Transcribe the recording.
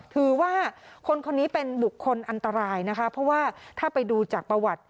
ถือว่าคนคนนี้เป็นบุคคลอันตรายนะคะเพราะว่าถ้าไปดูจากประวัติ